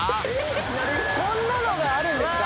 こんなのがあるんですか？